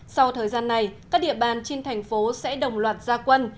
sau thời gian này các địa bàn trên thành phố sẽ đồng loạt gia quân